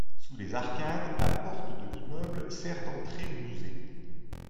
Sous les arcades, la porte de l’immeuble sert d’entrée au musée.